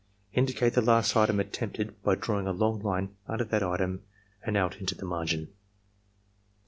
Indicate the last item attempted by drawing a long line under that item and out into the margin.